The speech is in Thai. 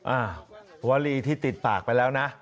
อ่าวลีที่ติดปากไปแล้วนะ